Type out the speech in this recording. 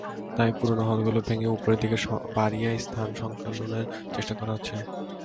তাই পুরোনো হলগুলো ভেঙে ওপরের দিকে বাড়িয়ে স্থান সংকুলানের চেষ্টা করা হচ্ছে।